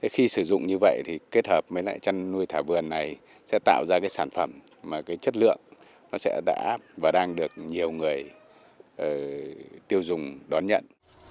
khi sử dụng như vậy thì kết hợp với lại chăn nuôi thả vườn này sẽ tạo ra cái sản phẩm mà cái chất lượng nó sẽ đã và đang được nhiều người tiêu dùng đón nhận